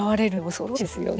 そうですね。